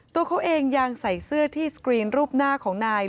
ตัวเขาเองยังใส่เสื้อที่สกรีนรูปหน้าของนาย